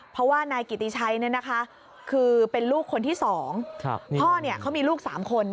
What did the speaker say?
เพราะว่านายกิติชัยคือเป็นลูกคนที่๒พ่อเขามีลูก๓คน